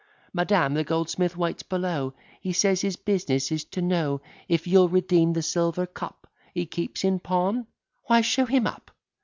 "Madam, the goldsmith waits below; He says, his business is to know If you'll redeem the silver cup He keeps in pawn?" "Why, show him up."